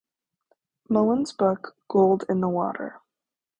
Mullen's book "Gold in the Water".